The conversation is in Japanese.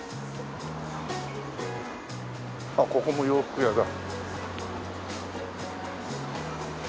あっここも洋服屋だ。